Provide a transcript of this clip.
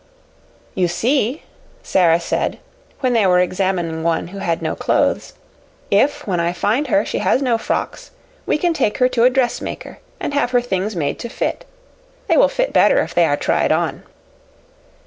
"You see," Sara said when they were examining one who had no clothes. "If, when I find her, she has no frocks, we can take her to a dressmaker and have her things made to fit. They will fit better if they are tried on."